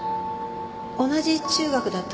同じ中学だったので。